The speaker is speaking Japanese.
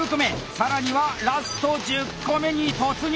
更にはラスト１０個目に突入！